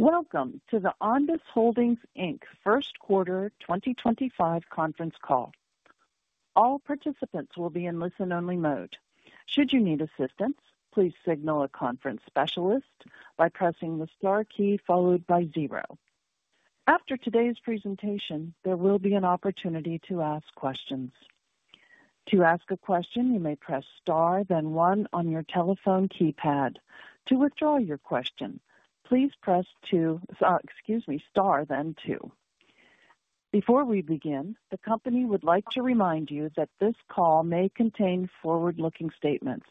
Welcome to the Ondas Holdings First Quarter 2025 conference call. All participants will be in listen-only mode. Should you need assistance, please signal a conference specialist by pressing the star key followed by zero. After today's presentation, there will be an opportunity to ask questions. To ask a question, you may press star, then one on your telephone keypad. To withdraw your question, please press star, then two. Before we begin, the company would like to remind you that this call may contain forward-looking statements.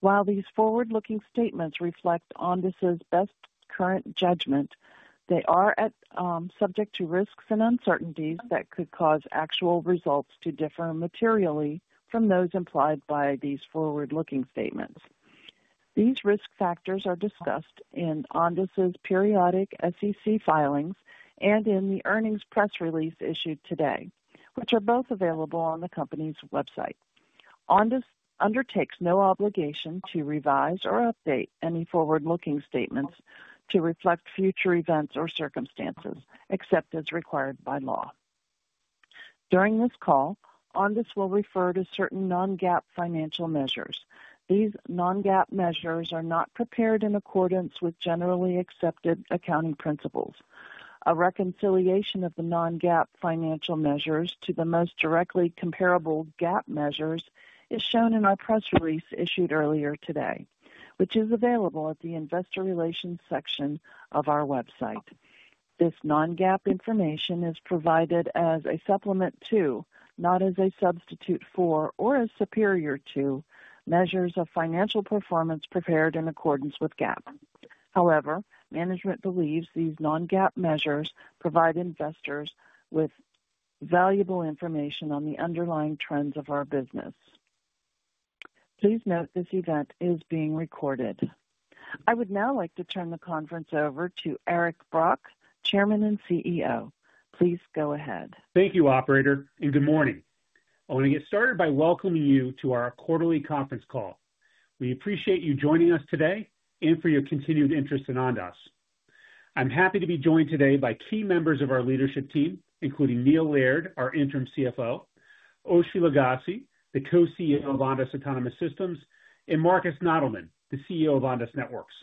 While these forward-looking statements reflect Ondas' best current judgment, they are subject to risks and uncertainties that could cause actual results to differ materially from those implied by these forward-looking statements. These risk factors are discussed in Ondas' periodic SEC filings and in the earnings press release issued today, which are both available on the company's website. Ondas undertakes no obligation to revise or update any forward-looking statements to reflect future events or circumstances, except as required by law. During this call, Ondas will refer to certain non-GAAP financial measures. These non-GAAP measures are not prepared in accordance with generally accepted accounting principles. A reconciliation of the non-GAAP financial measures to the most directly comparable GAAP measures is shown in our press release issued earlier today, which is available at the investor relations section of our website. This non-GAAP information is provided as a supplement to, not as a substitute for, or as superior to measures of financial performance prepared in accordance with GAAP. However, management believes these non-GAAP measures provide investors with valuable information on the underlying trends of our business. Please note this event is being recorded. I would now like to turn the conference over to Eric Brock, Chairman and CEO. Please go ahead. Thank you, Operator, and good morning. I want to get started by welcoming you to our quarterly conference call. We appreciate you joining us today and for your continued interest in Ondas. I'm happy to be joined today by key members of our leadership team, including Neil Laird, our Interim CFO; Oshri Lugassy, the Co-CEO of Ondas Autonomous Systems; and Markus Nottelmann, the CEO of Ondas Networks.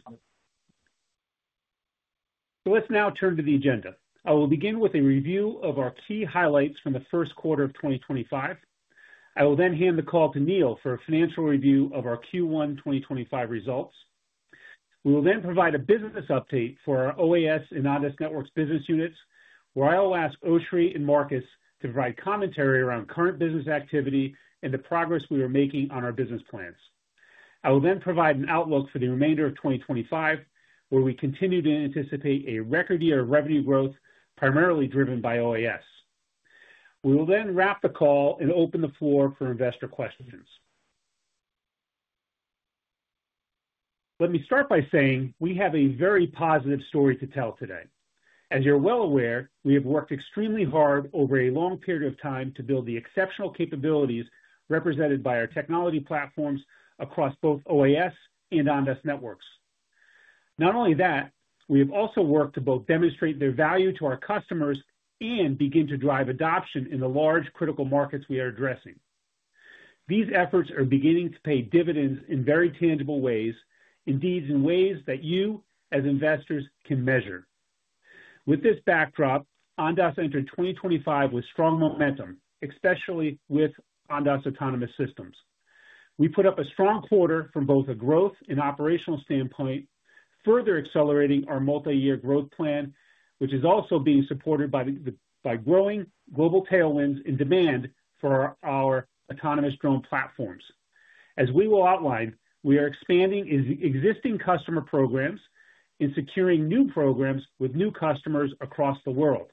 Let's now turn to the agenda. I will begin with a review of our key highlights from the first quarter of 2025. I will then hand the call to Neil for a financial review of our Q1 2025 results. We will then provide a business update for our OAS and Ondas Networks business units, where I will ask Oshri and Markus to provide commentary around current business activity and the progress we are making on our business plans. I will then provide an outlook for the remainder of 2025, where we continue to anticipate a record year of revenue growth, primarily driven by OAS. We will then wrap the call and open the floor for investor questions. Let me start by saying we have a very positive story to tell today. As you're well aware, we have worked extremely hard over a long period of time to build the exceptional capabilities represented by our technology platforms across both OAS and Ondas Networks. Not only that, we have also worked to both demonstrate their value to our customers and begin to drive adoption in the large critical markets we are addressing. These efforts are beginning to pay dividends in very tangible ways, indeed in ways that you, as investors, can measure. With this backdrop, Ondas entered 2025 with strong momentum, especially with Ondas Autonomous Systems. We put up a strong quarter from both a growth and operational standpoint, further accelerating our multi-year growth plan, which is also being supported by growing global tailwinds and demand for our autonomous drone platforms. As we will outline, we are expanding existing customer programs and securing new programs with new customers across the world.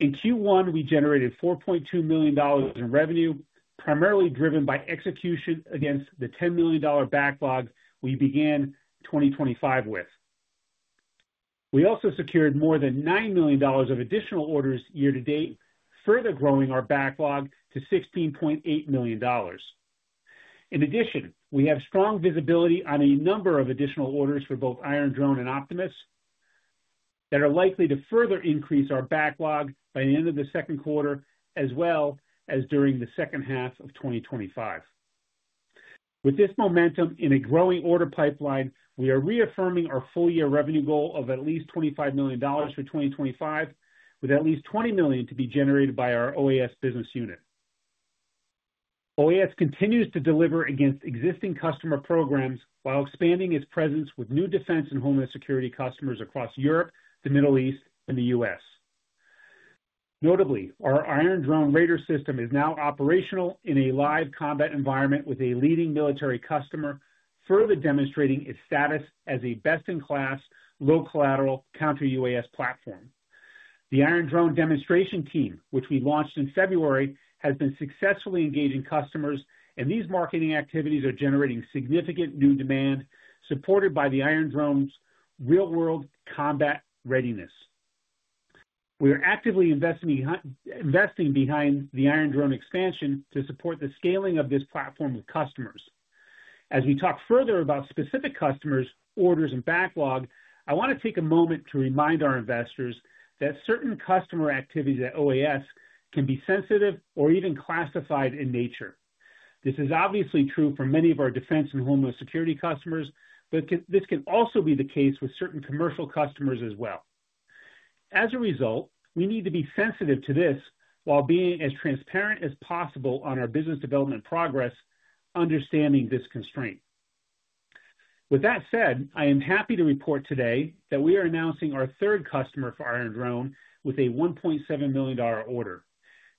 In Q1, we generated $4.2 million in revenue, primarily driven by execution against the $10 million backlog we began 2025 with. We also secured more than $9 million of additional orders year-to-date, further growing our backlog to $16.8 million. In addition, we have strong visibility on a number of additional orders for both Iron Drone and Optimus that are likely to further increase our backlog by the end of the second quarter, as well as during the second half of 2025. With this momentum in a growing order pipeline, we are reaffirming our full-year revenue goal of at least $25 million for 2025, with at least $20 million to be generated by our OAS business unit. OAS continues to deliver against existing customer programs while expanding its presence with new defense and homeland security customers across Europe, the Middle East, and the U.S. Notably, our Iron Drone Raider system is now operational in a live combat environment with a leading military customer, further demonstrating its status as a best-in-class, low-collateral counter-UAS platform. The Iron Drone Demonstration Team, which we launched in February, has been successfully engaging customers, and these marketing activities are generating significant new demand, supported by the Iron Drone's real-world combat readiness. We are actively investing behind the Iron Drone expansion to support the scaling of this platform with customers. As we talk further about specific customers, orders, and backlog, I want to take a moment to remind our investors that certain customer activities at OAS can be sensitive or even classified in nature. This is obviously true for many of our defense and homeland security customers, but this can also be the case with certain commercial customers as well. As a result, we need to be sensitive to this while being as transparent as possible on our business development progress, understanding this constraint. With that said, I am happy to report today that we are announcing our third customer for Iron Drone with a $1.7 million order.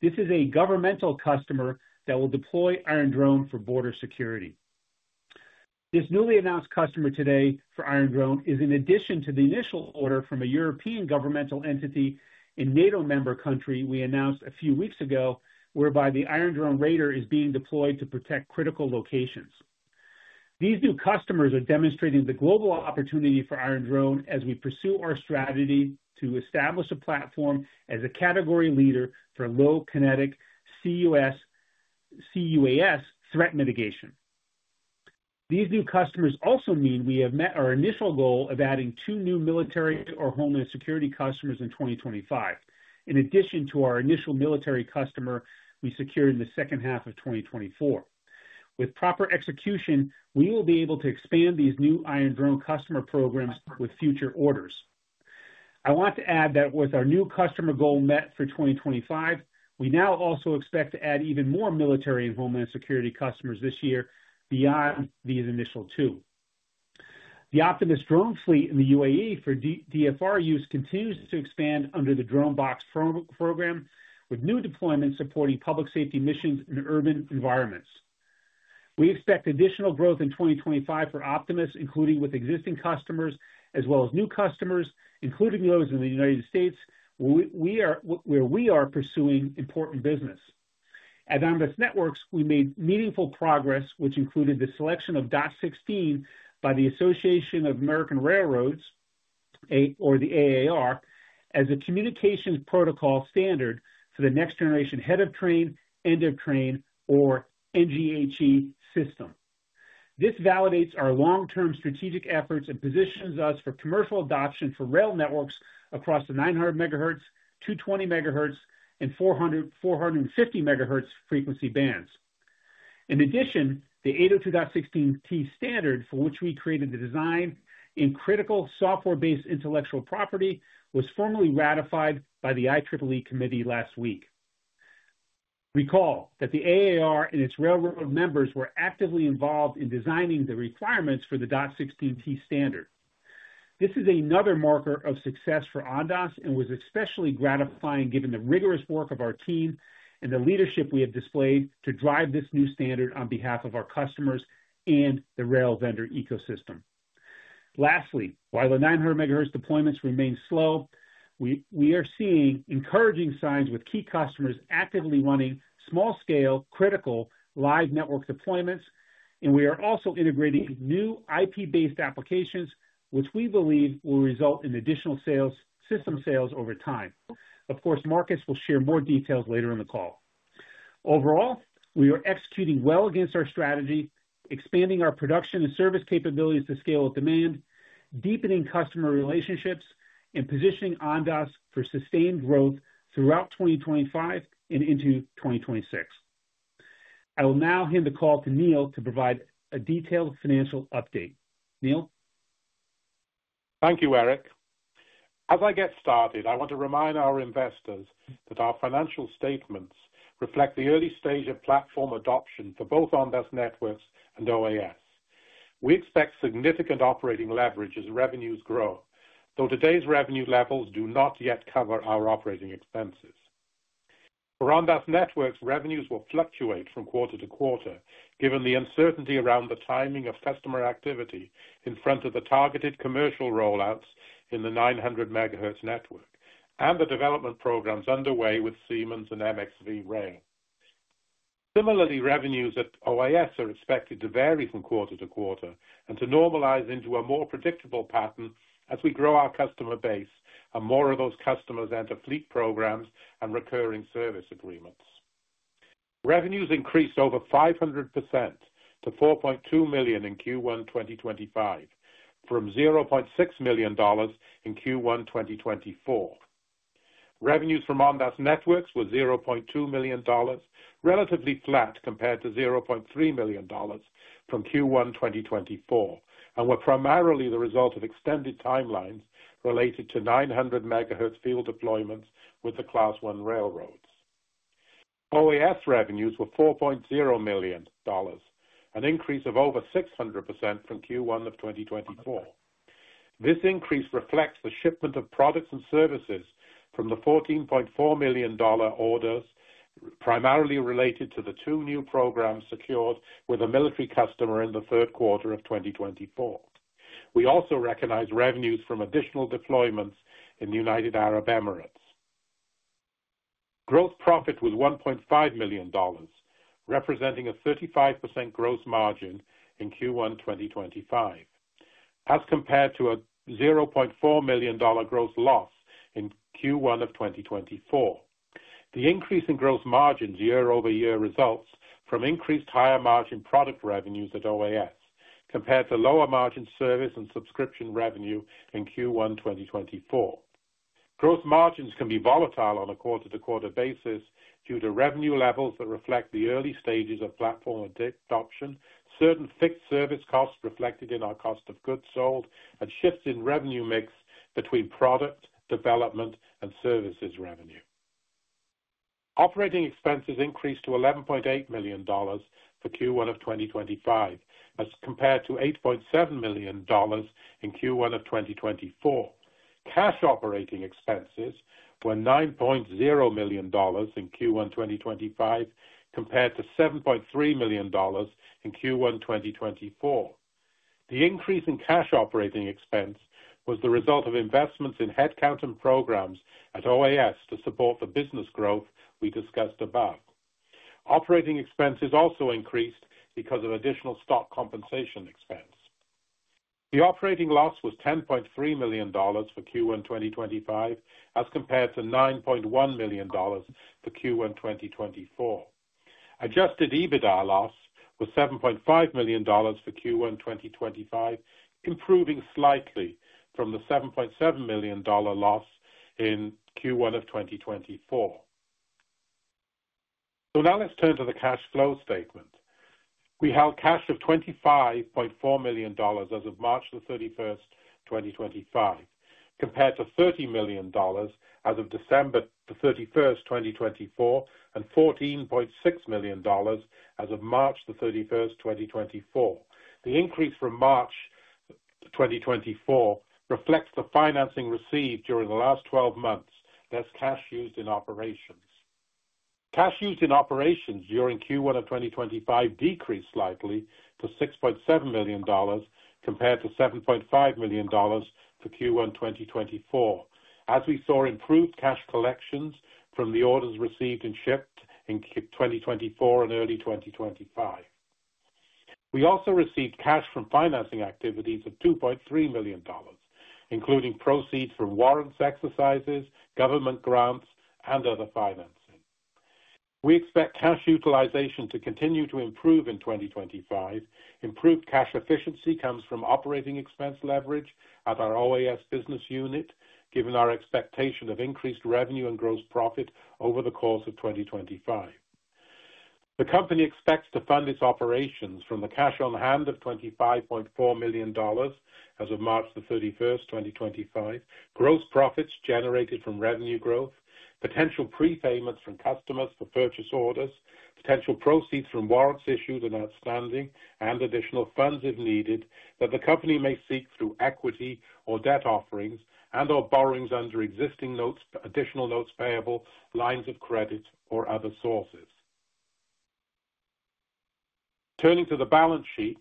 This is a governmental customer that will deploy Iron Drone for border security. This newly announced customer today for Iron Drone is in addition to the initial order from a European governmental entity in a NATO member country we announced a few weeks ago, whereby the Iron Drone Raider is being deployed to protect critical locations. These new customers are demonstrating the global opportunity for Iron Drone as we pursue our strategy to establish a platform as a category leader for low kinetic CUAS threat mitigation. These new customers also mean we have met our initial goal of adding two new military or homeland security customers in 2025, in addition to our initial military customer we secured in the second half of 2024. With proper execution, we will be able to expand these new Iron Drone customer programs with future orders. I want to add that with our new customer goal met for 2025, we now also expect to add even more military and homeland security customers this year beyond these initial two. The Optimus drone fleet in the UAE for DFR use continues to expand under the DroneBox program, with new deployments supporting public safety missions in urban environments. We expect additional growth in 2025 for Optimus, including with existing customers as well as new customers, including those in the United States, where we are pursuing important business. At Ondas Networks, we made meaningful progress, which included the selection of dot16 by the Association of American Railroads, or the AAR, as a communications protocol standard for the next-generation head-of-train, end-of-train, or NGHE system. This validates our long-term strategic efforts and positions us for commercial adoption for rail networks across the 900 MHz, 220 MHz, and 450 MHz frequency bands. In addition, the 802.16t standard, for which we created the design in critical software-based intellectual property, was formally ratified by the IEEE Committee last week. Recall that the AAR and its railroad members were actively involved in designing the requirements for the dot16 standard. This is another marker of success for Ondas and was especially gratifying given the rigorous work of our team and the leadership we have displayed to drive this new standard on behalf of our customers and the rail vendor ecosystem. Lastly, while the 900 MHz deployments remain slow, we are seeing encouraging signs with key customers actively running small-scale critical live network deployments, and we are also integrating new IP-based applications, which we believe will result in additional system sales over time. Of course, Markus will share more details later in the call. Overall, we are executing well against our strategy, expanding our production and service capabilities to scale with demand, deepening customer relationships, and positioning Ondas for sustained growth throughout 2025 and into 2026. I will now hand the call to Neil to provide a detailed financial update. Neil. Thank you, Eric. As I get started, I want to remind our investors that our financial statements reflect the early stage of platform adoption for both Ondas Networks and OAS. We expect significant operating leverage as revenues grow, though today's revenue levels do not yet cover our operating expenses. For Ondas Networks, revenues will fluctuate from quarter to quarter, given the uncertainty around the timing of customer activity in front of the targeted commercial rollouts in the 900 MHz network and the development programs underway with Siemens and MxV Rail. Similarly, revenues at OAS are expected to vary from quarter to quarter and to normalize into a more predictable pattern as we grow our customer base and more of those customers enter fleet programs and recurring service agreements. Revenues increased over 500% to $4.2 million in Q1 2025, from $0.6 million in Q1 2024. Revenues from Ondas Networks were $0.2 million, relatively flat compared to $0.3 million from Q1 2024, and were primarily the result of extended timelines related to 900 MHz field deployments with the Class 1 railroads. OAS revenues were $4.0 million, an increase of over 600% from Q1 of 2024. This increase reflects the shipment of products and services from the $14.4 million orders, primarily related to the two new programs secured with a military customer in the third quarter of 2024. We also recognize revenues from additional deployments in the United Arab Emirates. Gross profit was $1.5 million, representing a 35% gross margin in Q1 2025, as compared to a $0.4 million gross loss in Q1 of 2024. The increase in gross margins year-over-year results from increased higher-margin product revenues at OAS compared to lower-margin service and subscription revenue in Q1 2024. Gross margins can be volatile on a quarter-to-quarter basis due to revenue levels that reflect the early stages of platform adoption, certain fixed service costs reflected in our cost of goods sold, and shifts in revenue mix between product, development, and services revenue. Operating expenses increased to $11.8 million for Q1 of 2025, as compared to $8.7 million in Q1 of 2024. Cash operating expenses were $9.0 million in Q1 2025, compared to $7.3 million in Q1 2024. The increase in cash operating expense was the result of investments in headcount and programs at OAS to support the business growth we discussed above. Operating expenses also increased because of additional stock compensation expense. The operating loss was $10.3 million for Q1 2025, as compared to $9.1 million for Q1 2024. Adjusted EBITDA loss was $7.5 million for Q1 2025, improving slightly from the $7.7 million loss in Q1 of 2024. Now let's turn to the cash flow statement. We held cash of $25.4 million as of March 31st, 2025, compared to $30 million as of December 31st, 2024, and $14.6 million as of March 31st, 2024. The increase from March 2024 reflects the financing received during the last 12 months, thus cash used in operations. Cash used in operations during Q1 of 2025 decreased slightly to $6.7 million compared to $7.5 million for Q1 2024, as we saw improved cash collections from the orders received and shipped in 2024 and early 2025. We also received cash from financing activities of $2.3 million, including proceeds from warrants exercises, government grants, and other financing. We expect cash utilization to continue to improve in 2025. Improved cash efficiency comes from operating expense leverage at our OAS business unit, given our expectation of increased revenue and gross profit over the course of 2025. The company expects to fund its operations from the cash on hand of $25.4 million as of March 31st, 2025, gross profits generated from revenue growth, potential prepayments from customers for purchase orders, potential proceeds from warrants issued and outstanding, and additional funds if needed that the company may seek through equity or debt offerings and/or borrowings under existing notes, additional notes payable, lines of credit, or other sources. Turning to the balance sheet,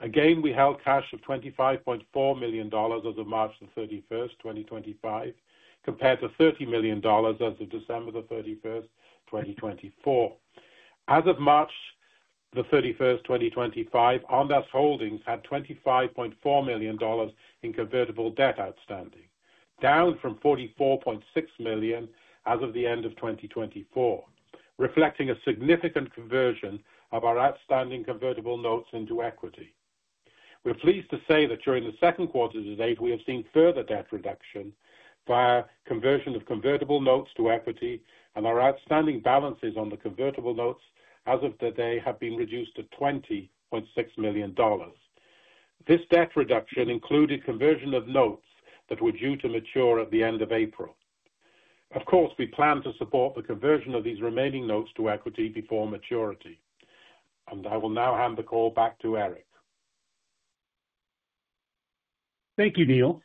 again, we held cash of $25.4 million as of March 31st, 2025, compared to $30 million as of December 31st, 2024. As of March 31st, 2025, Ondas Holdings had $25.4 million in convertible debt outstanding, down from $44.6 million as of the end of 2024, reflecting a significant conversion of our outstanding convertible notes into equity. We're pleased to say that during the second quarter to date, we have seen further debt reduction via conversion of convertible notes to equity, and our outstanding balances on the convertible notes as of today have been reduced to $20.6 million. This debt reduction included conversion of notes that were due to mature at the end of April. Of course, we plan to support the conversion of these remaining notes to equity before maturity. I will now hand the call back to Eric. Thank you, Neil.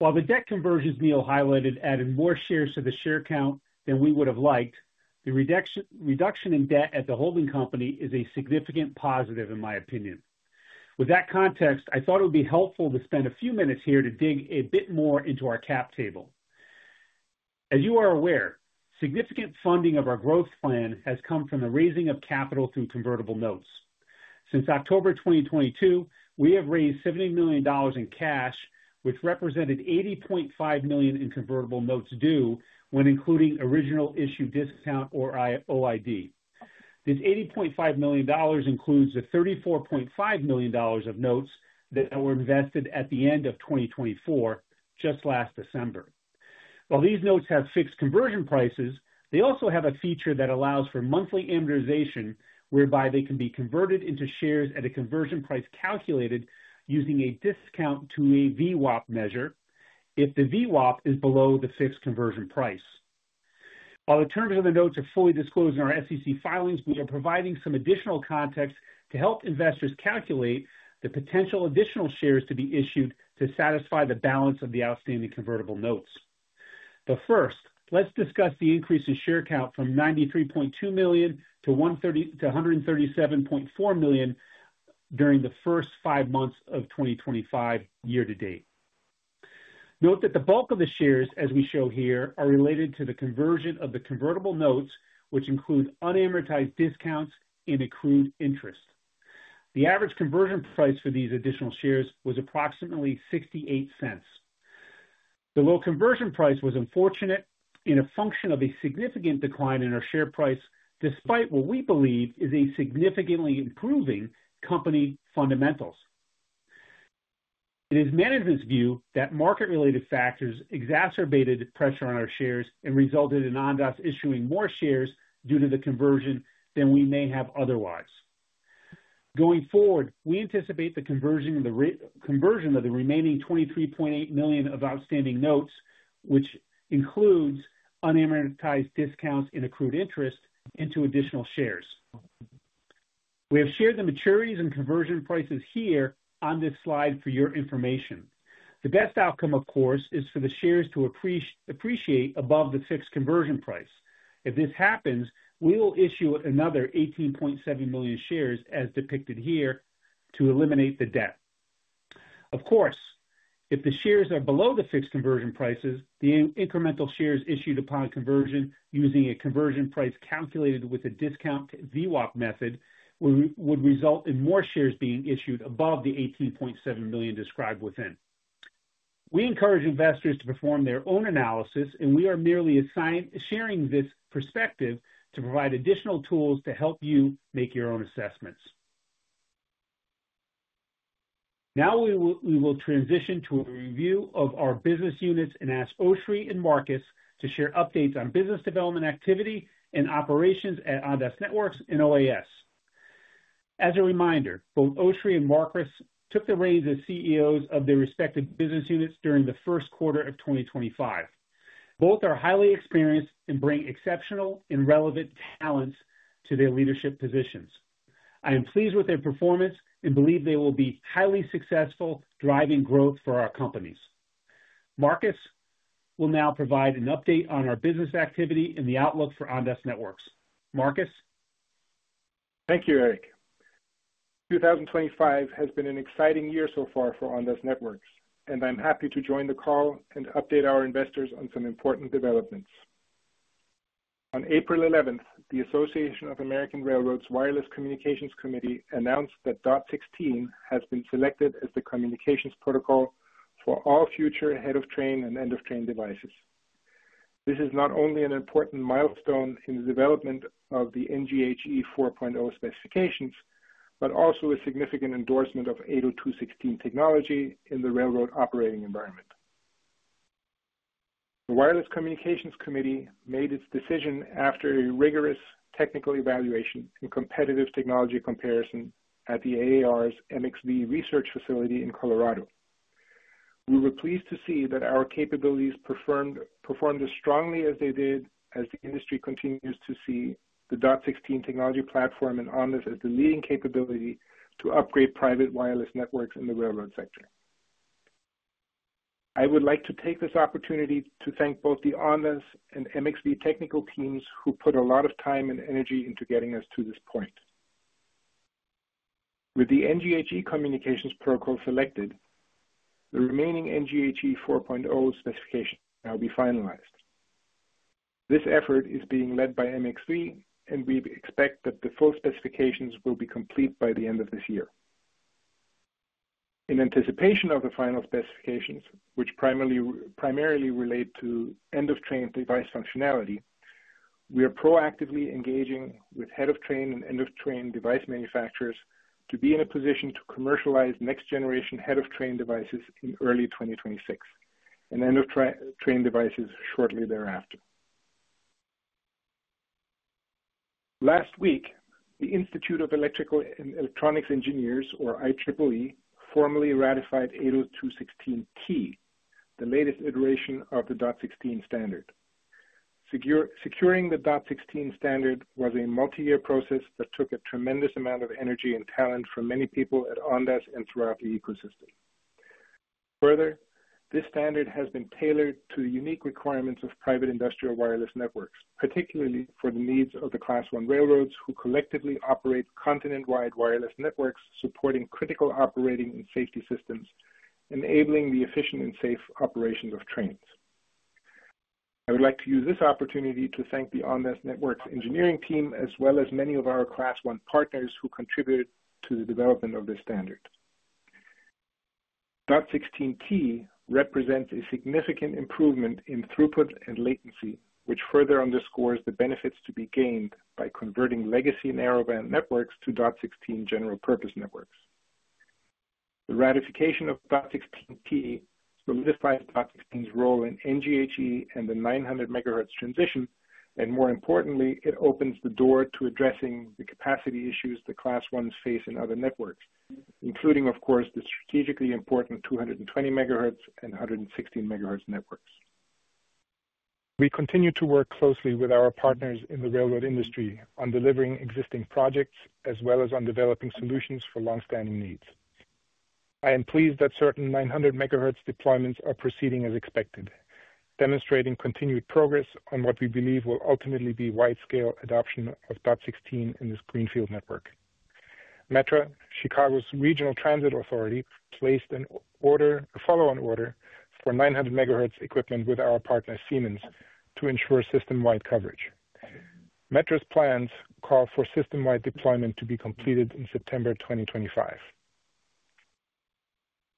While the debt conversions Neil highlighted added more shares to the share count than we would have liked, the reduction in debt at the holding company is a significant positive, in my opinion. With that context, I thought it would be helpful to spend a few minutes here to dig a bit more into our cap table. As you are aware, significant funding of our growth plan has come from the raising of capital through convertible notes. Since October 2022, we have raised $70 million in cash, which represented $80.5 million in convertible notes due when including original issue discount or OID. This $80.5 million includes the $34.5 million of notes that were invested at the end of 2024, just last December. While these notes have fixed conversion prices, they also have a feature that allows for monthly amortization, whereby they can be converted into shares at a conversion price calculated using a discount to a VWAP measure if the VWAP is below the fixed conversion price. While the terms of the notes are fully disclosed in our SEC filings, we are providing some additional context to help investors calculate the potential additional shares to be issued to satisfy the balance of the outstanding convertible notes. First, let's discuss the increase in share count from $93.2 million to $137.4 million during the first five months of 2025 year-to-date. Note that the bulk of the shares, as we show here, are related to the conversion of the convertible notes, which include unamortized discounts and accrued interest. The average conversion price for these additional shares was approximately $0.68. The low conversion price was unfortunate and a function of a significant decline in our share price, despite what we believe is a significantly improving company fundamentals. It is management's view that market-related factors exacerbated pressure on our shares and resulted in Ondas issuing more shares due to the conversion than we may have otherwise. Going forward, we anticipate the conversion of the remaining $23.8 million of outstanding notes, which includes unamortized discounts and accrued interest, into additional shares. We have shared the maturities and conversion prices here on this slide for your information. The best outcome, of course, is for the shares to appreciate above the fixed conversion price. If this happens, we will issue another 18.7 million shares, as depicted here, to eliminate the debt. Of course, if the shares are below the fixed conversion prices, the incremental shares issued upon conversion using a conversion price calculated with a discount VWAP method would result in more shares being issued above the $18.7 million described within. We encourage investors to perform their own analysis, and we are merely sharing this perspective to provide additional tools to help you make your own assessments. Now we will transition to a review of our business units and ask Oshri and Markus to share updates on business development activity and operations at Ondas Networks and OAS. As a reminder, both Oshri and Markus took the reins as CEOs of their respective business units during the first quarter of 2025. Both are highly experienced and bring exceptional and relevant talents to their leadership positions. I am pleased with their performance and believe they will be highly successful, driving growth for our companies. Markus will now provide an update on our business activity and the outlook for Ondas Networks. Markus? Thank you, Eric. 2025 has been an exciting year so far for Ondas Networks, and I'm happy to join the call and update our investors on some important developments. On April 11th, the Association of American Railroads Wireless Communications Committee announced that dot16 has been selected as the communications protocol for all future head-of-train and end-of-train devices. This is not only an important milestone in the development of the NGHE 4.0 specifications, but also a significant endorsement of 802.16t technology in the railroad operating environment. The Wireless Communications Committee made its decision after a rigorous technical evaluation and competitive technology comparison at the Association of American Railroads' MxV Research Facility in Colorado. We were pleased to see that our capabilities performed as strongly as they did as the industry continues to see the dot16 technology platform and Ondas as the leading capability to upgrade private wireless networks in the railroad sector. I would like to take this opportunity to thank both the Ondas and MxV technical teams who put a lot of time and energy into getting us to this point. With the NGHE communications protocol selected, the remaining NGHE 4.0 specification now will be finalized. This effort is being led by MxV, and we expect that the full specifications will be complete by the end of this year. In anticipation of the final specifications, which primarily relate to end-of-train device functionality, we are proactively engaging with head-of-train and end-of-train device manufacturers to be in a position to commercialize next-generation head-of-train devices in early 2026 and end-of-train devices shortly thereafter. Last week, the Institute of Electrical and Electronics Engineers, or IEEE, formally ratified 802.16t, the latest iteration of the dot16 standard. Securing the dot16 standard was a multi-year process that took a tremendous amount of energy and talent from many people at Ondas and throughout the ecosystem. Further, this standard has been tailored to the unique requirements of private industrial wireless networks, particularly for the needs of the Class 1 railroads who collectively operate continent-wide wireless networks supporting critical operating and safety systems, enabling the efficient and safe operation of trains. I would like to use this opportunity to thank the Ondas Networks engineering team, as well as many of our Class 1 partners who contributed to the development of this standard. dot16T represents a significant improvement in throughput and latency, which further underscores the benefits to be gained by converting legacy narrowband networks to dot16 general-purpose networks. The ratification of dot16T solidifies dot16's role in NGHE and the 900 MHz transition, and more importantly, it opens the door to addressing the capacity issues the Class 1s face in other networks, including, of course, the strategically important 220 MHz and 116 MHz networks. We continue to work closely with our partners in the railroad industry on delivering existing projects, as well as on developing solutions for long-standing needs. I am pleased that certain 900 MHz deployments are proceeding as expected, demonstrating continued progress on what we believe will ultimately be wide-scale adoption of dot16 in this greenfield network. Metra, Chicago's regional transit authority, placed a follow-on order for 900 MHz equipment with our partner, Siemens, to ensure system-wide coverage. Metra's plans call for system-wide deployment to be completed in September 2025.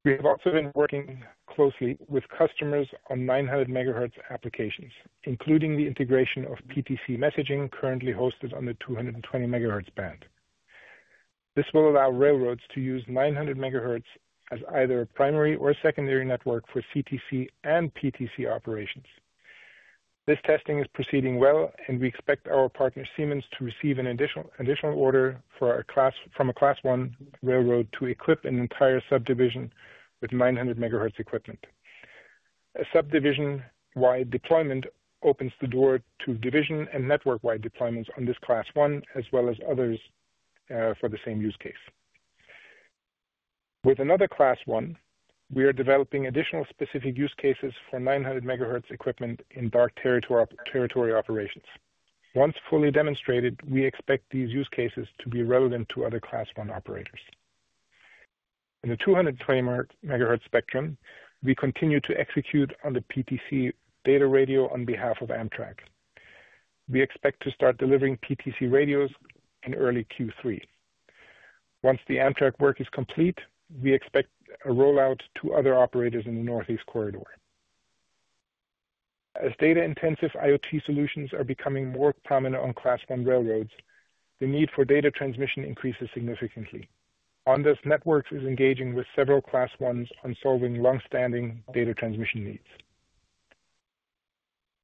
We have also been working closely with customers on 900 MHz applications, including the integration of PTC messaging currently hosted on the 220 MHz band. This will allow railroads to use 900 MHz as either a primary or secondary network for CTC and PTC operations. This testing is proceeding well, and we expect our partner, Siemens, to receive an additional order from a Class 1 railroad to equip an entire subdivision with 900 MHz equipment. A subdivision-wide deployment opens the door to division and network-wide deployments on this Class 1, as well as others for the same use case. With another Class 1, we are developing additional specific use cases for 900 MHz equipment in dark territory operations. Once fully demonstrated, we expect these use cases to be relevant to other Class 1 operators. In the 220 MHz spectrum, we continue to execute on the PTC data radio on behalf of Amtrak. We expect to start delivering PTC radios in early Q3. Once the Amtrak work is complete, we expect a rollout to other operators in the Northeast Corridor. As data-intensive IoT solutions are becoming more prominent on Class 1 railroads, the need for data transmission increases significantly. Ondas Networks is engaging with several Class 1s on solving long-standing data transmission needs.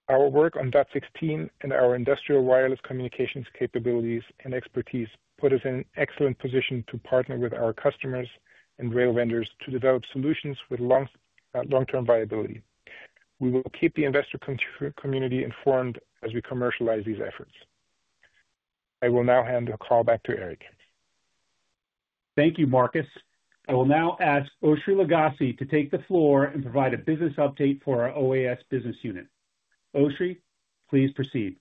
Our work on dot16 and our industrial wireless communications capabilities and expertise put us in an excellent position to partner with our customers and rail vendors to develop solutions with long-term viability. We will keep the investor community informed as we commercialize these efforts. I will now hand the call back to Eric. Thank you, Marcus. I will now ask Oshri Lugassy to take the floor and provide a business update for our OAS business unit. Oshri, please proceed.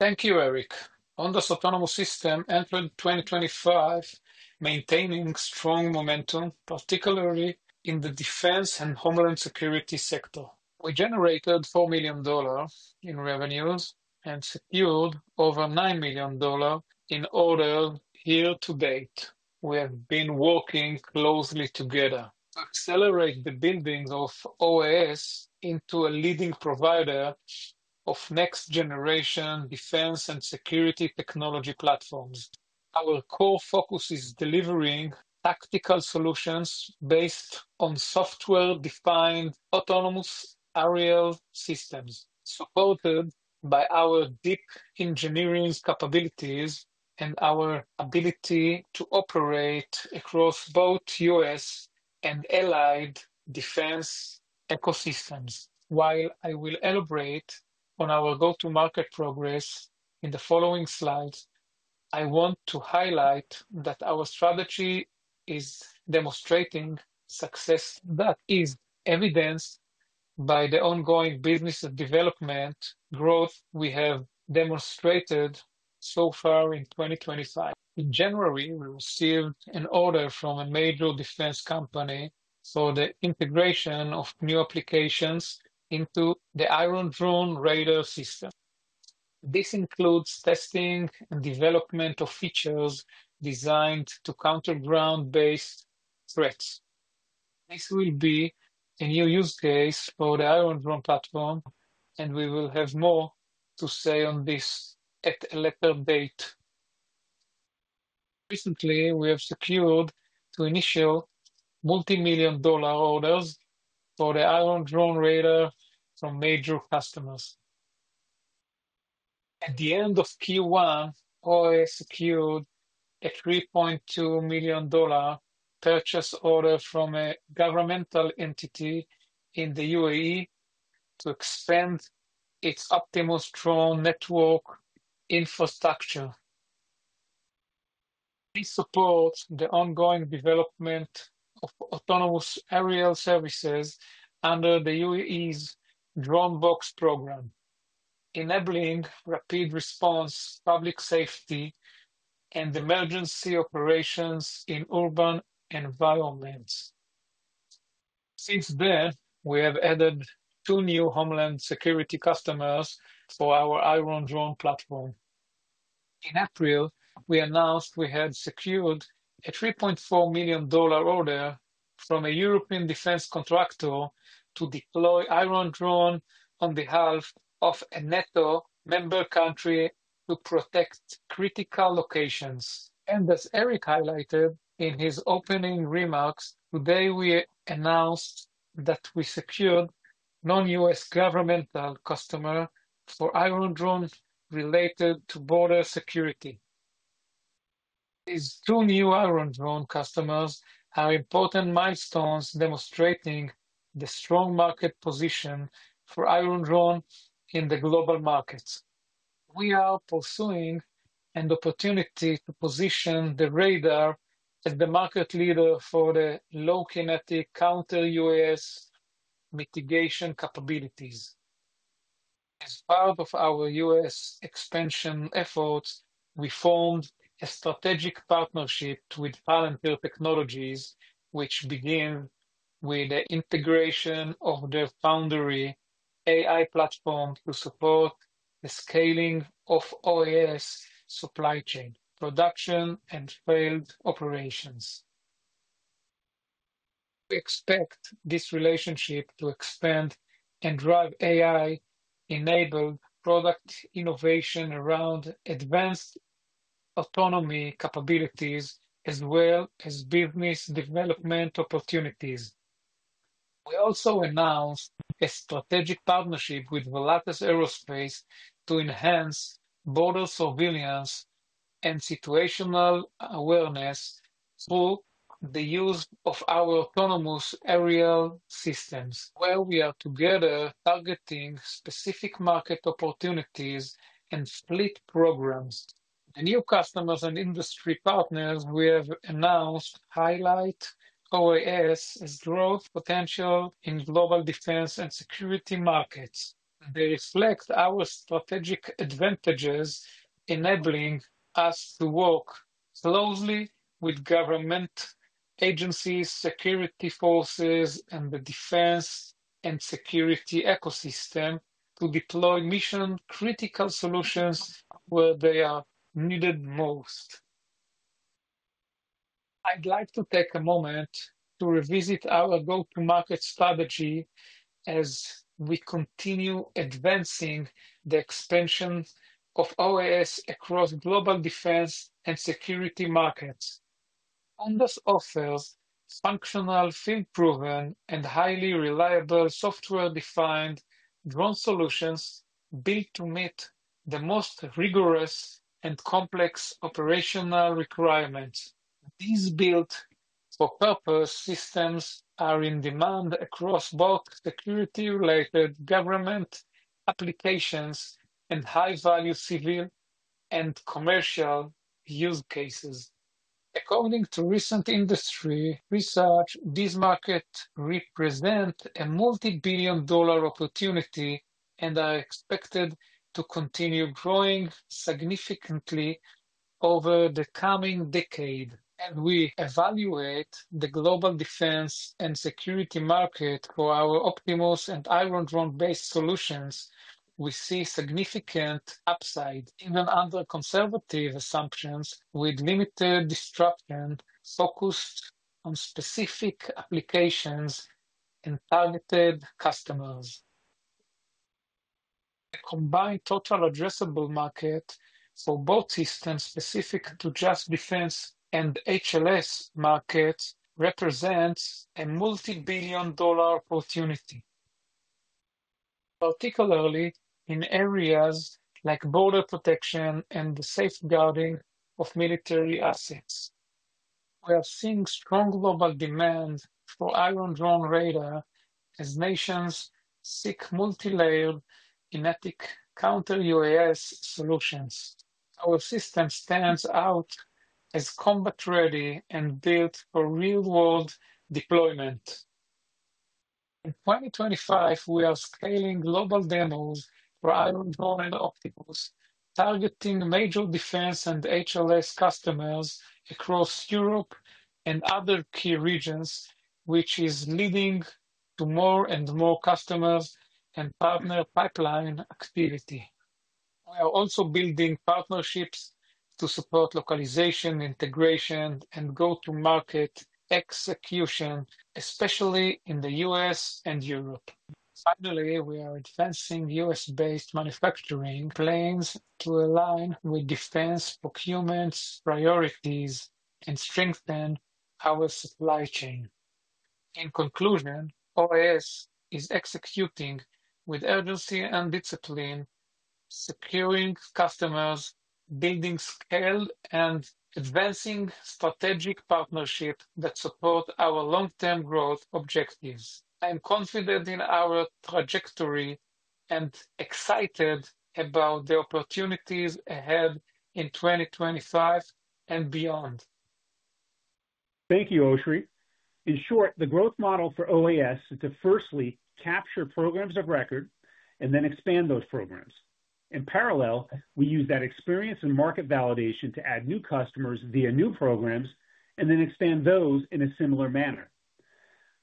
Thank you, Eric. Ondas Autonomous Systems entered 2025, maintaining strong momentum, particularly in the defense and homeland security sector. We generated $4 million in revenues and secured over $9 million in orders. Year to date, we have been working closely together to accelerate the bindings of OAS into a leading provider of next-generation defense and security technology platforms. Our core focus is delivering tactical solutions based on software-defined autonomous aerial systems, supported by our deep engineering capabilities and our ability to operate across both U.S. and allied defense ecosystems. While I will elaborate on our go-to-market progress in the following slides, I want to highlight that our strategy is demonstrating success that is evidenced by the ongoing business development growth we have demonstrated so far in 2025. In January, we received an order from a major defense company for the integration of new applications into the Iron Drone radar system. This includes testing and development of features designed to counter ground-based threats. This will be a new use case for the Iron Drone platform, and we will have more to say on this at a later date. Recently, we have secured two initial multi-million dollar orders for the Iron Drone radar from major customers. At the end of Q1, OAS secured a $3.2 million purchase order from a governmental entity in the UAE to expand its Optimus drone network infrastructure. We support the ongoing development of autonomous aerial services under the UAE's DroneBox program, enabling rapid response, public safety, and emergency operations in urban environments. Since then, we have added two new homeland security customers for our Iron Drone platform. In April, we announced we had secured a $3.4 million order from a European defense contractor to deploy Iron Drone on behalf of a NATO member country to protect critical locations. As Eric highlighted in his opening remarks, today we announced that we secured a non-US governmental customer for Iron Drone related to border security. These two new Iron Drone customers are important milestones demonstrating the strong market position for Iron Drone in the global markets. We are pursuing an opportunity to position the radar as the market leader for the low kinetic counter-UAS mitigation capabilities. As part of our U.S. expansion efforts, we formed a strategic partnership with Palantir Technologies, which began with the integration of their Foundry AI platform to support the scaling of OAS supply chain, production, and field operations. We expect this relationship to expand and drive AI-enabled product innovation around advanced autonomy capabilities, as well as business development opportunities. We also announced a strategic partnership with Volatus Aerospace to enhance border surveillance and situational awareness through the use of our autonomous aerial systems, where we are together targeting specific market opportunities and split programs. The new customers and industry partners we have announced highlight OAS's growth potential in global defense and security markets. They reflect our strategic advantages, enabling us to work closely with government agencies, security forces, and the defense and security ecosystem to deploy mission-critical solutions where they are needed most. I'd like to take a moment to revisit our go-to-market strategy as we continue advancing the expansion of OAS across global defense and security markets. Ondas offers functional, field-proven, and highly reliable software-defined drone solutions built to meet the most rigorous and complex operational requirements. These built-for-purpose systems are in demand across both security-related government applications and high-value civil and commercial use cases. According to recent industry research, these markets represent a multi-billion dollar opportunity and are expected to continue growing significantly over the coming decade. As we evaluate the global defense and security market for our Optimus and Iron Drone-based solutions, we see significant upside, even under conservative assumptions, with limited disruption focused on specific applications and targeted customers. A combined total addressable market for both systems specific to just defense and HLS markets represents a multi-billion dollar opportunity, particularly in areas like border protection and the safeguarding of military assets. We are seeing strong global demand for Iron Drone radar as nations seek multi-layered kinetic counter-UAS solutions. Our system stands out as combat-ready and built for real-world deployment. In 2025, we are scaling global demos for Iron Drone and Optimus, targeting major defense and HLS customers across Europe and other key regions, which is leading to more and more customers and partner pipeline activity. We are also building partnerships to support localization integration and go-to-market execution, especially in the U.S. and Europe. Finally, we are advancing U.S.-based manufacturing plans to align with defense procurement priorities and strengthen our supply chain. In conclusion, OAS is executing with urgency and discipline, securing customers, building scale, and advancing strategic partnerships that support our long-term growth objectives. I am confident in our trajectory and excited about the opportunities ahead in 2025 and beyond. Thank you, Oshri. In short, the growth model for OAS is to firstly capture programs of record and then expand those programs. In parallel, we use that experience and market validation to add new customers via new programs and then expand those in a similar manner.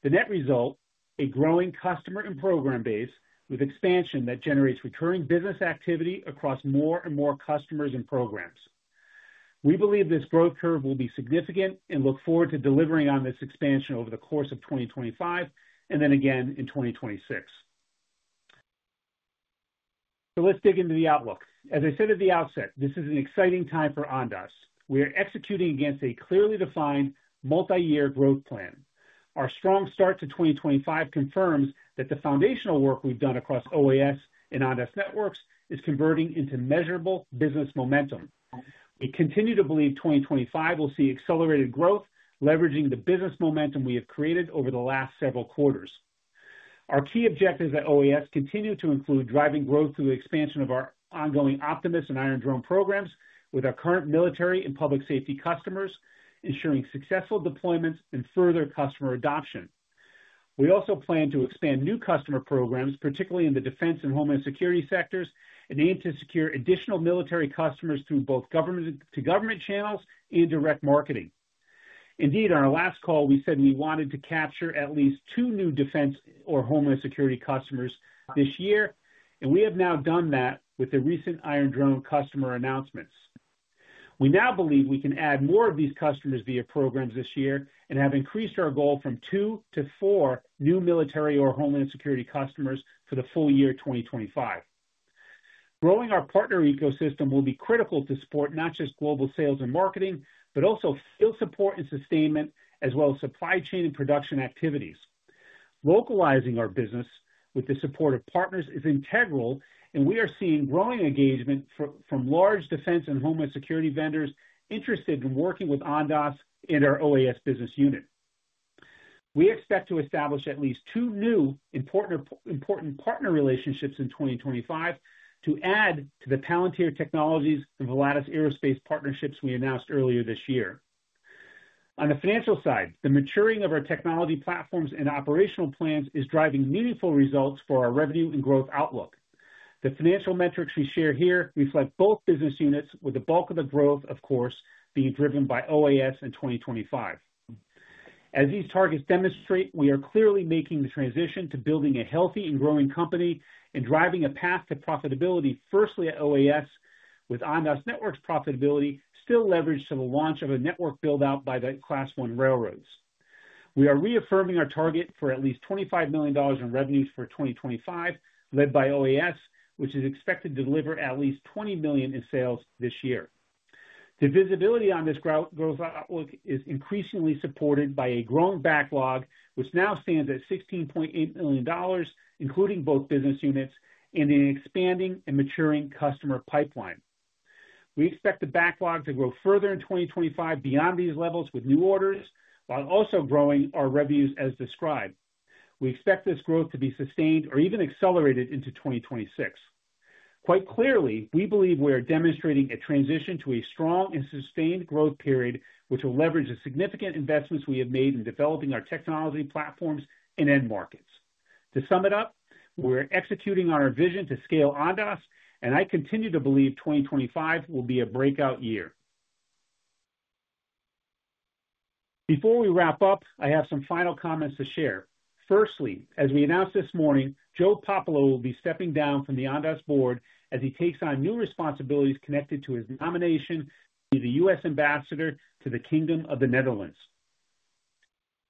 The net result is a growing customer and program base with expansion that generates recurring business activity across more and more customers and programs. We believe this growth curve will be significant and look forward to delivering on this expansion over the course of 2025 and then again in 2026. Let's dig into the outlook. As I said at the outset, this is an exciting time for Ondas. We are executing against a clearly defined multi-year growth plan. Our strong start to 2025 confirms that the foundational work we've done across OAS and Ondas Networks is converting into measurable business momentum. We continue to believe 2025 will see accelerated growth, leveraging the business momentum we have created over the last several quarters. Our key objectives at OAS continue to include driving growth through the expansion of our ongoing Optimus and Iron Drone programs with our current military and public safety customers, ensuring successful deployments and further customer adoption. We also plan to expand new customer programs, particularly in the defense and homeland security sectors, and aim to secure additional military customers through both government-to-government channels and direct marketing. Indeed, on our last call, we said we wanted to capture at least two new defense or homeland security customers this year, and we have now done that with the recent Iron Drone customer announcements. We now believe we can add more of these customers via programs this year and have increased our goal from two to four new military or homeland security customers for the full year 2025. Growing our partner ecosystem will be critical to support not just global sales and marketing, but also field support and sustainment, as well as supply chain and production activities. Localizing our business with the support of partners is integral, and we are seeing growing engagement from large defense and homeland security vendors interested in working with Ondas in our OAS business unit. We expect to establish at least two new important partner relationships in 2025 to add to the Palantir Technologies and Volatus Aerospace partnerships we announced earlier this year. On the financial side, the maturing of our technology platforms and operational plans is driving meaningful results for our revenue and growth outlook. The financial metrics we share here reflect both business units, with the bulk of the growth, of course, being driven by OAS in 2025. As these targets demonstrate, we are clearly making the transition to building a healthy and growing company and driving a path to profitability, firstly at OAS, with Ondas Networks' profitability still leveraged to the launch of a network build-out by the Class 1 railroads. We are reaffirming our target for at least $25 million in revenues for 2025, led by OAS, which is expected to deliver at least $20 million in sales this year. The visibility on this growth outlook is increasingly supported by a growing backlog, which now stands at $16.8 million, including both business units and an expanding and maturing customer pipeline. We expect the backlog to grow further in 2025 beyond these levels with new orders, while also growing our revenues as described. We expect this growth to be sustained or even accelerated into 2026. Quite clearly, we believe we are demonstrating a transition to a strong and sustained growth period, which will leverage the significant investments we have made in developing our technology platforms and end markets. To sum it up, we're executing on our vision to scale Ondas, and I continue to believe 2025 will be a breakout year. Before we wrap up, I have some final comments to share. Firstly, as we announced this morning, Joe Poppolo will be stepping down from the Ondas board as he takes on new responsibilities connected to his nomination to be the U.S. Ambassador to the Kingdom of the Netherlands.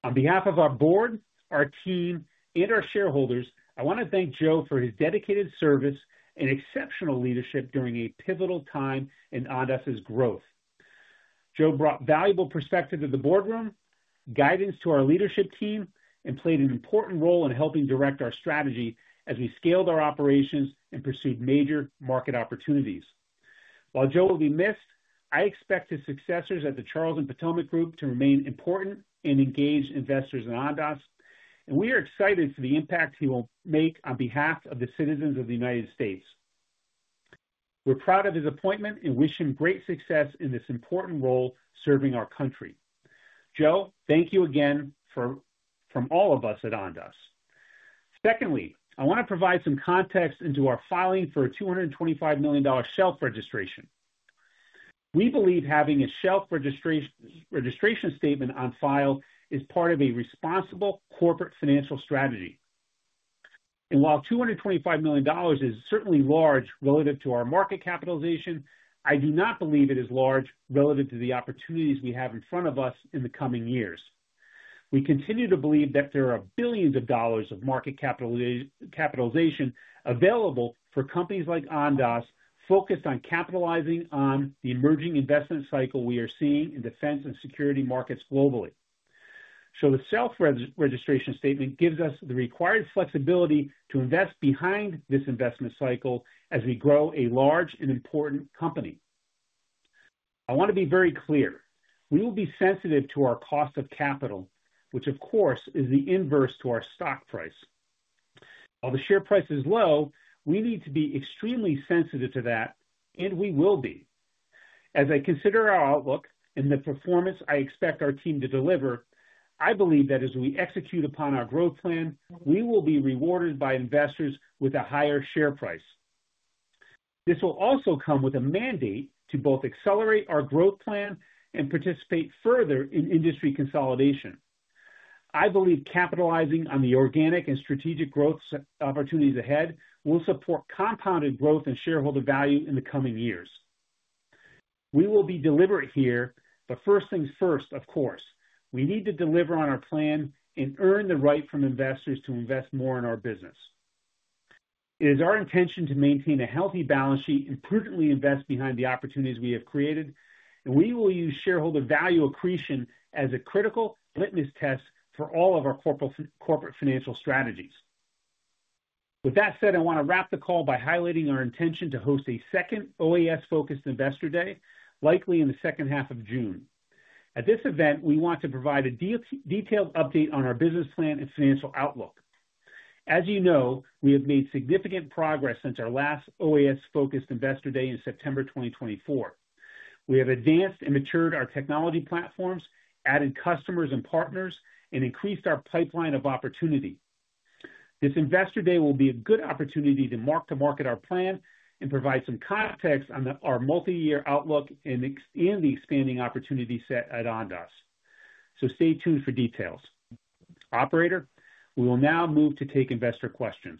On behalf of our board, our team, and our shareholders, I want to thank Joe for his dedicated service and exceptional leadership during a pivotal time in Ondas' growth. Joe brought valuable perspective to the boardroom, guidance to our leadership team, and played an important role in helping direct our strategy as we scaled our operations and pursued major market opportunities. While Joe will be missed, I expect his successors at the Charles & Potomac Group to remain important and engaged investors in Ondas, and we are excited for the impact he will make on behalf of the citizens of the United States. We're proud of his appointment and wish him great success in this important role serving our country. Joe, thank you again from all of us at Ondas. Secondly, I want to provide some context into our filing for a $225 million shelf registration. We believe having a shelf registration statement on file is part of a responsible corporate financial strategy. While $225 million is certainly large relative to our market capitalization, I do not believe it is large relative to the opportunities we have in front of us in the coming years. We continue to believe that there are billions of dollars of market capitalization available for companies like Ondas focused on capitalizing on the emerging investment cycle we are seeing in defense and security markets globally. The shelf registration statement gives us the required flexibility to invest behind this investment cycle as we grow a large and important company. I want to be very clear. We will be sensitive to our cost of capital, which, of course, is the inverse to our stock price. While the share price is low, we need to be extremely sensitive to that, and we will be. As I consider our outlook and the performance I expect our team to deliver, I believe that as we execute upon our growth plan, we will be rewarded by investors with a higher share price. This will also come with a mandate to both accelerate our growth plan and participate further in industry consolidation. I believe capitalizing on the organic and strategic growth opportunities ahead will support compounded growth and shareholder value in the coming years. We will be deliberate here, but first things first, of course. We need to deliver on our plan and earn the right from investors to invest more in our business. It is our intention to maintain a healthy balance sheet and prudently invest behind the opportunities we have created, and we will use shareholder value accretion as a critical litmus test for all of our corporate financial strategies. With that said, I want to wrap the call by highlighting our intention to host a second OAS-focused investor day, likely in the second half of June. At this event, we want to provide a detailed update on our business plan and financial outlook. As you know, we have made significant progress since our last OAS-focused investor day in September 2024. We have advanced and matured our technology platforms, added customers and partners, and increased our pipeline of opportunity. This investor day will be a good opportunity to mark to market our plan and provide some context on our multi-year outlook and the expanding opportunity set at Ondas. Stay tuned for details. Operator, we will now move to take investor questions.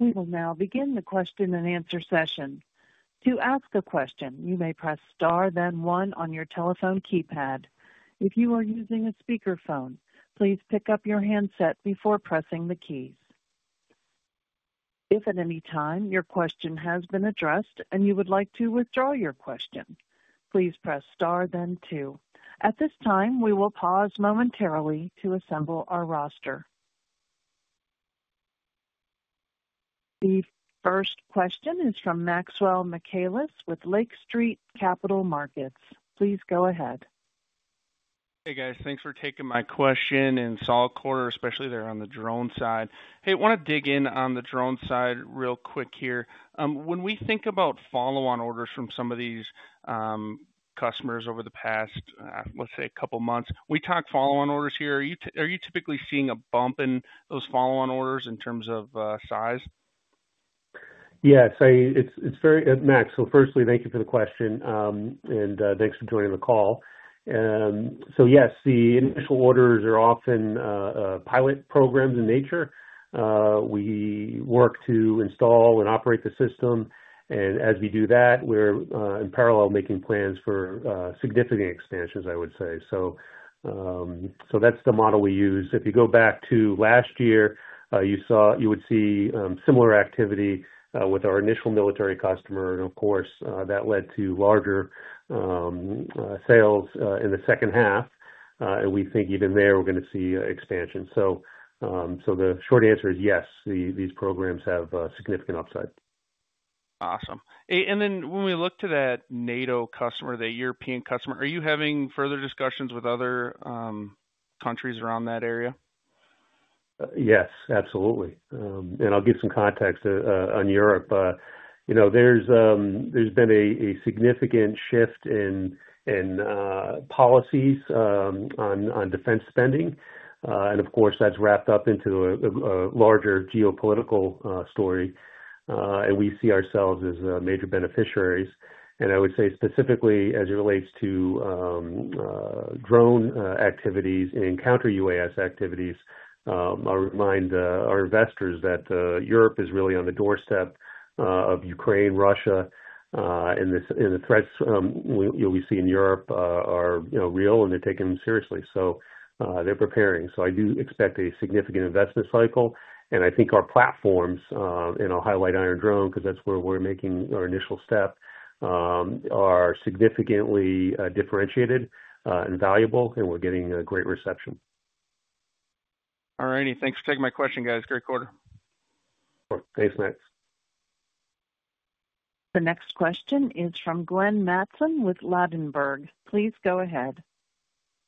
We will now begin the question and answer session. To ask a question, you may press star, then one on your telephone keypad. If you are using a speakerphone, please pick up your handset before pressing the keys. If at any time your question has been addressed and you would like to withdraw your question, please press star, then two. At this time, we will pause momentarily to assemble our roster. The first question is from Maxwell Michaelis with Lake Street Capital Markets. Please go ahead. Hey, guys. Thanks for taking my question in SolidCorridor, especially there on the drone side. Hey, I want to dig in on the drone side real quick here. When we think about follow-on orders from some of these customers over the past, let's say, a couple of months, we talk follow-on orders here. Are you typically seeing a bump in those follow-on orders in terms of size? Yes. It's very at max. Firstly, thank you for the question, and thanks for joining the call. Yes, the initial orders are often pilot programs in nature. We work to install and operate the system, and as we do that, we're in parallel making plans for significant expansions, I would say. That's the model we use. If you go back to last year, you would see similar activity with our initial military customer, and of course, that led to larger sales in the second half. We think even there, we're going to see expansion. The short answer is yes, these programs have significant upside. Awesome. When we look to that NATO customer, that European customer, are you having further discussions with other countries around that area? Yes, absolutely. I'll give some context on Europe. There's been a significant shift in policies on defense spending, and of course, that's wrapped up into a larger geopolitical story. We see ourselves as major beneficiaries. I would say specifically as it relates to drone activities and counter-UAS activities, I'll remind our investors that Europe is really on the doorstep of Ukraine, Russia, and the threats we see in Europe are real, and they're taken seriously. They're preparing. I do expect a significant investment cycle, and I think our platforms, and I'll highlight Iron Drone because that's where we're making our initial step, are significantly differentiated and valuable, and we're getting a great reception. All righty. Thanks for taking my question, guys. Great quarter. Thanks, Max. The next question is from Glenn Mattson with Ladenburg. Please go ahead.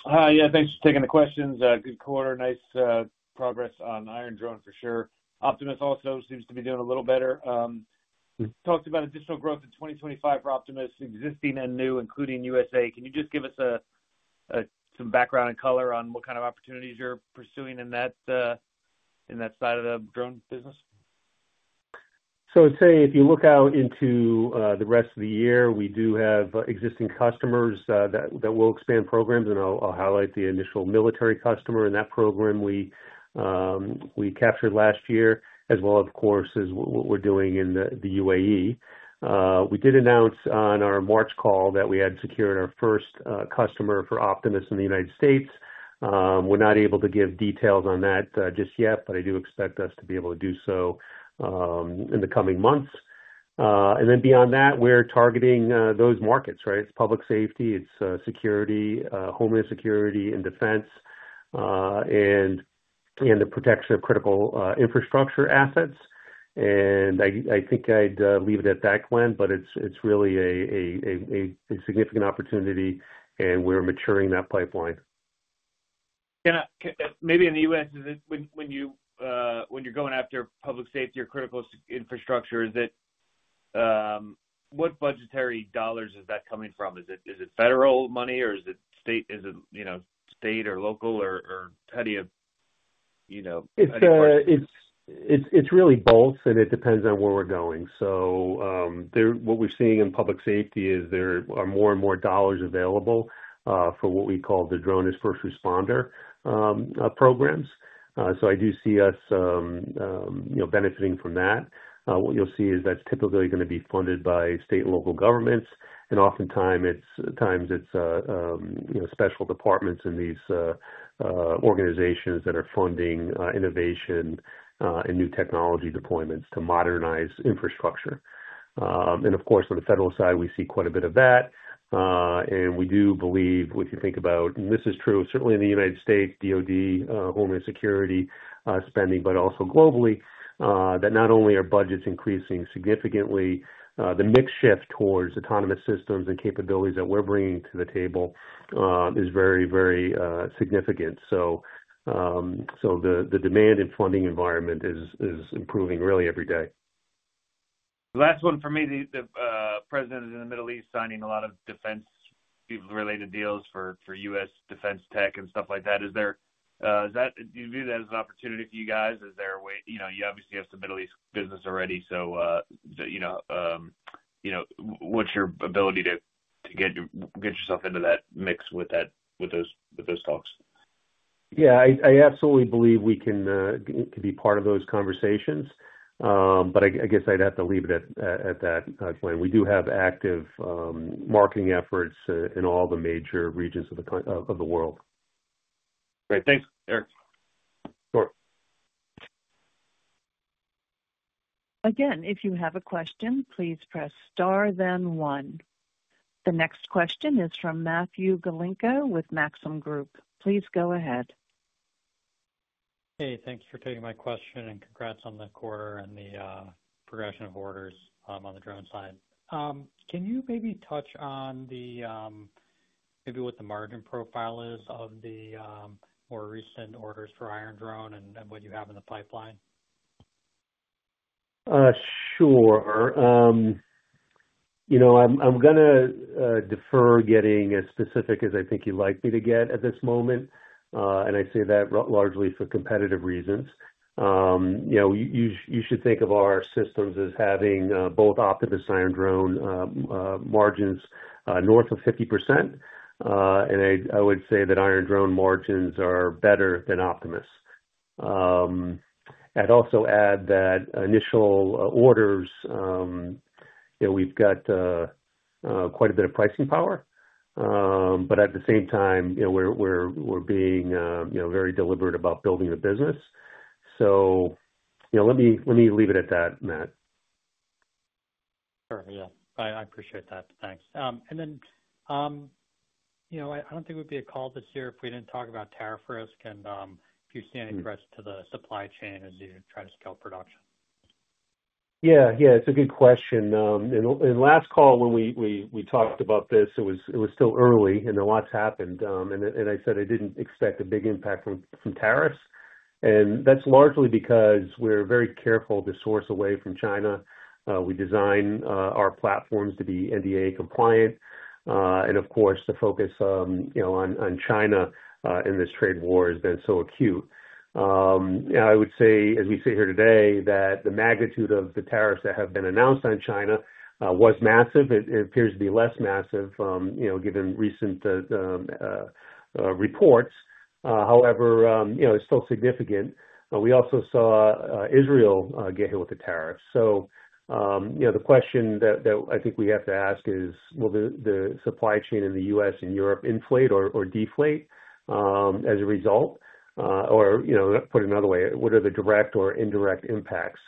Hi. Yeah, thanks for taking the questions. Good quarter. Nice progress on Iron Drone for sure. Optimus also seems to be doing a little better. Talked about additional growth in 2025 for Optimus, existing and new, including U.S.A. Can you just give us some background and color on what kind of opportunities you're pursuing in that side of the drone business? I'd say if you look out into the rest of the year, we do have existing customers that will expand programs, and I'll highlight the initial military customer in that program we captured last year, as well, of course, as what we're doing in the UAE. We did announce on our March call that we had secured our first customer for Optimus in the United States. We're not able to give details on that just yet, but I do expect us to be able to do so in the coming months. Beyond that, we're targeting those markets, right? It's public safety, it's security, homeland security and defense, and the protection of critical infrastructure assets. I think I'd leave it at that, Glenn, but it's really a significant opportunity, and we're maturing that pipeline. Maybe in the U.S., when you're going after public safety or critical infrastructure, what budgetary dollars is that coming from? Is it federal money, or is it state or local or petty? It's really both, and it depends on where we're going. What we're seeing in public safety is there are more and more dollars available for what we call the drone as first responder programs. I do see us benefiting from that. What you'll see is that's typically going to be funded by state and local governments, and oftentimes it's special departments in these organizations that are funding innovation and new technology deployments to modernize infrastructure. Of course, on the federal side, we see quite a bit of that. We do believe, if you think about, and this is true, certainly in the United States, DOD, homeland security spending, but also globally, that not only are budgets increasing significantly, the mix shift towards autonomous systems and capabilities that we're bringing to the table is very, very significant. The demand and funding environment is improving really every day. Last one for me. The President is in the Middle East signing a lot of defense-related deals for U.S. defense tech and stuff like that. Do you view that as an opportunity for you guys? You obviously have some Middle East business already, so what's your ability to get yourself into that mix with those talks? Yeah, I absolutely believe we can be part of those conversations, but I guess I'd have to leave it at that, Glenn. We do have active marketing efforts in all the major regions of the world. Great. Thanks, Eric. Sure. Again, if you have a question, please press star, then one. The next question is from Matthew Galinko with Maxim Group. Please go ahead. Hey, thanks for taking my question and congrats on the quarter and the progression of orders on the drone side. Can you maybe touch on maybe what the margin profile is of the more recent orders for Iron Drone and what you have in the pipeline? Sure. I'm going to defer getting as specific as I think you'd like me to get at this moment, and I say that largely for competitive reasons. You should think of our systems as having both Optimus and Iron Drone margins north of 50%, and I would say that Iron Drone margins are better than Optimus. I'd also add that initial orders, we've got quite a bit of pricing power, but at the same time, we're being very deliberate about building the business. Let me leave it at that, Matt. Sure. Yeah. I appreciate that. Thanks. I do not think it would be a call this year if we did not talk about tariff risk and if you see any threats to the supply chain as you try to scale production. Yeah. Yeah. It's a good question. In last call, when we talked about this, it was still early and a lot happened, and I said I didn't expect a big impact from tariffs. And that's largely because we're very careful to source away from China. We design our platforms to be NDA compliant, and of course, the focus on China in this trade war has been so acute. I would say, as we sit here today, that the magnitude of the tariffs that have been announced on China was massive. It appears to be less massive given recent reports. However, it's still significant. We also saw Israel get hit with the tariffs. The question that I think we have to ask is, will the supply chain in the U.S. and Europe inflate or deflate as a result? Or put it another way, what are the direct or indirect impacts?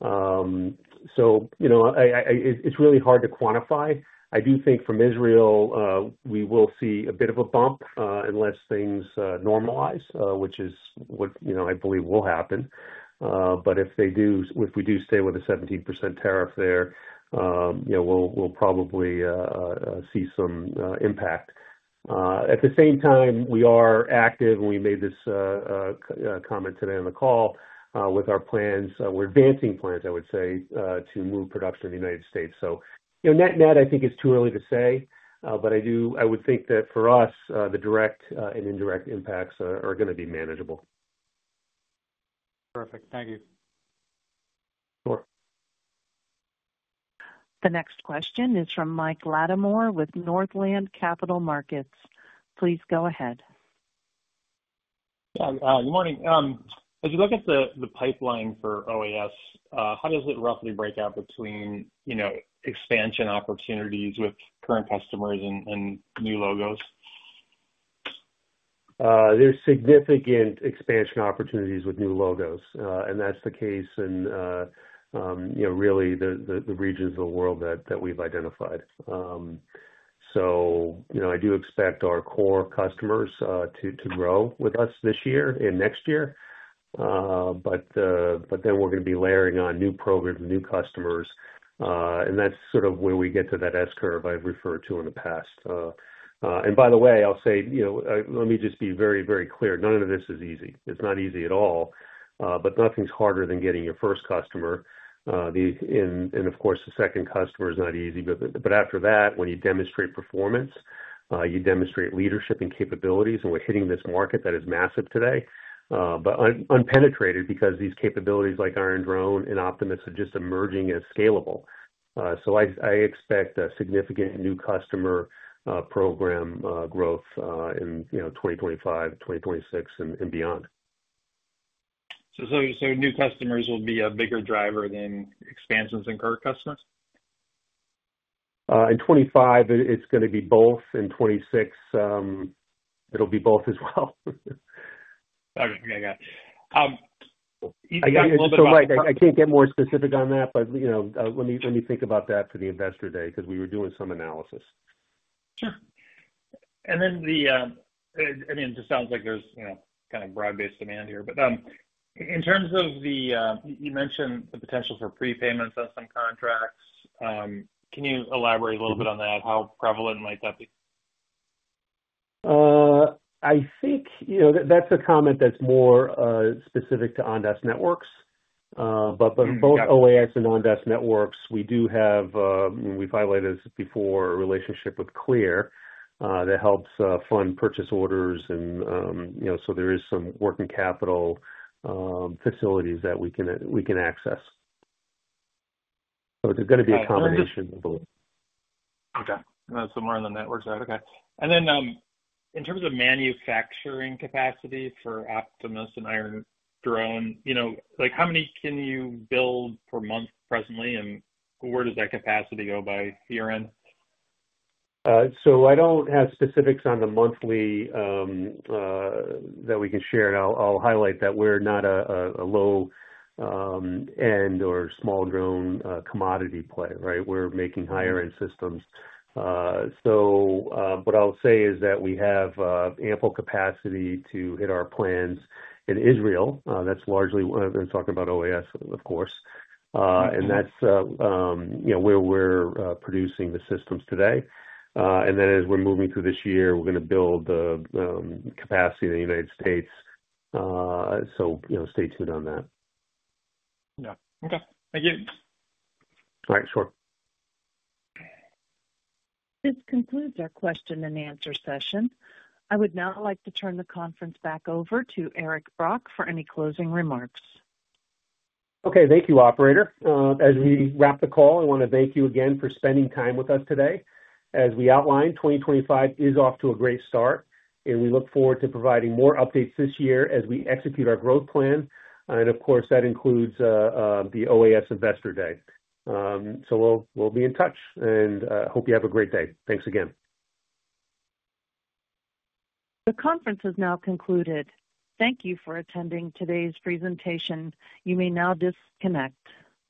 It's really hard to quantify. I do think from Israel, we will see a bit of a bump unless things normalize, which is what I believe will happen. If we do stay with a 17% tariff there, we'll probably see some impact. At the same time, we are active, and we made this comment today on the call with our plans. We're advancing plans, I would say, to move production in the United States. Net-net, I think it's too early to say, but I would think that for us, the direct and indirect impacts are going to be manageable. Perfect. Thank you. Sure. The next question is from Mike Latimore with Northland Capital Markets. Please go ahead. Good morning. As you look at the pipeline for OAS, how does it roughly break out between expansion opportunities with current customers and new logos? There's significant expansion opportunities with new logos, and that's the case in really the regions of the world that we've identified. I do expect our core customers to grow with us this year and next year, but then we're going to be layering on new programs and new customers, and that's sort of where we get to that S-curve I've referred to in the past. By the way, I'll say, let me just be very, very clear. None of this is easy. It's not easy at all, but nothing's harder than getting your first customer. Of course, the second customer is not easy, but after that, when you demonstrate performance, you demonstrate leadership and capabilities, and we're hitting this market that is massive today, but unpenetrated because these capabilities like Iron Drone and Optimus are just emerging as scalable. I expect a significant new customer program growth in 2025, 2026, and beyond. New customers will be a bigger driver than expansions and current customers? In 2025, it's going to be both. In 2026, it'll be both as well. Okay. Got it. I can't get more specific on that, but let me think about that for the investor day because we were doing some analysis. Sure. I mean, it just sounds like there's kind of broad-based demand here, but in terms of the, you mentioned the potential for prepayments on some contracts. Can you elaborate a little bit on that? How prevalent might that be? I think that's a comment that's more specific to Ondas Networks. Both OAS and Ondas Networks, we do have—we've highlighted this before—a relationship with Clear that helps fund purchase orders, and there is some working capital facilities that we can access. There's going to be a combination of those. Okay. More on the network side. Okay. In terms of manufacturing capacity for Optimus and Iron Drone, how many can you build per month presently, and where does that capacity go by year-end? I don't have specifics on the monthly that we can share, and I'll highlight that we're not a low-end or small-drone commodity play, right? We're making higher-end systems. What I'll say is that we have ample capacity to hit our plans in Israel. That's largely—I mean, I'm talking about OAS, of course—and that's where we're producing the systems today. As we're moving through this year, we're going to build the capacity in the United States. Stay tuned on that. Yeah. Okay. Thank you. All right. Sure. This concludes our question-and-answer session. I would now like to turn the conference back over to Eric Brock for any closing remarks. Okay. Thank you, operator. As we wrap the call, I want to thank you again for spending time with us today. As we outlined, 2025 is off to a great start, and we look forward to providing more updates this year as we execute our growth plan. That includes the OAS Investor Day. We will be in touch, and I hope you have a great day. Thanks again. The conference has now concluded. Thank you for attending today's presentation. You may now disconnect.